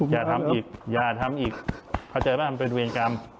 อย่าทำอีกอย่าทำอีกเข้าใจว่ามันเป็นเวรกรรม